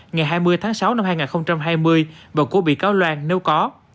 ngày hai mươi tháng sáu năm hai nghìn hai mươi và của bị cáo loan nếu có